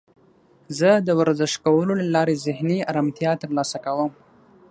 زه د ورزش کولو له لارې ذهني آرامتیا ترلاسه کوم.